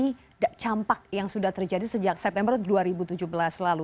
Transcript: dari campak yang sudah terjadi sejak september dua ribu tujuh belas lalu